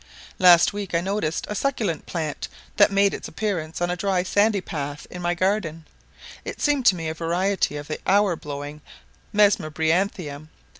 Last week I noticed a succulent plant that made its appearance on a dry sandy path in my garden; it seems to me a variety of the hour blowing mesembryanthium.